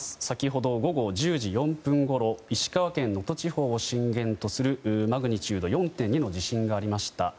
先ほど、午後１０時４分ごろ石川県能登地方を震源とするマグニチュード４．２の地震がありました。